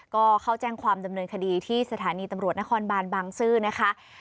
ก็เข้าแจ้งความดำเนินคดีที่สถานีตำรวจนครบานบางซื่อนะคะ